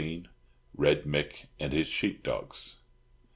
RED MICK AND HIS SHEEP DOGS.